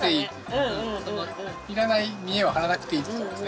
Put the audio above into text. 要らない見えを張らなくていいってとこですね。